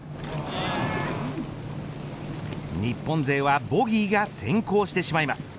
日本勢はボギーが先行してしまいます。